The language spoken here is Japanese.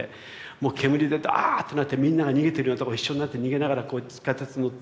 もう煙でダーッとなってみんなが逃げてるようなとこ一緒になって逃げながら地下鉄乗って。